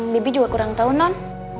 bibi juga kurang tahu non